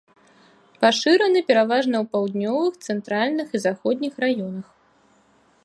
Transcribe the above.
Пашыраны пераважна ў паўднёвых, цэнтральных і заходніх раёнах.